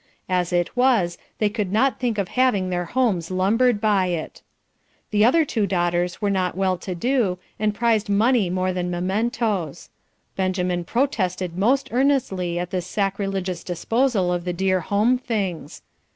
As it was, they could not think of having their houses lumbered by it. The other two daughters were not well to do, and prized money more than mementos. Benjamin protested most earnestly at this sacrilegious disposal of the dear home things.